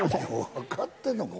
分かってんのか？